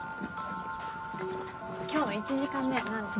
今日の１時間目は何ですか？